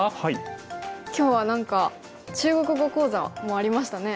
今日は何か中国語講座もありましたね。